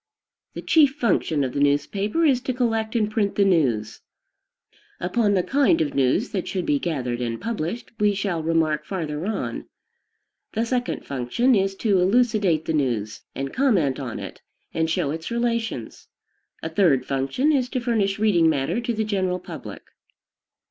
The chief function of the newspaper is to collect and print the news. Upon the kind of news that should be gathered and published, we shall remark farther on. The second function is to elucidate the news, and comment on it, and show its relations. A third function is to furnish reading matter to the general public.